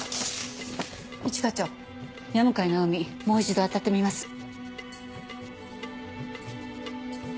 もう一度あたってみます。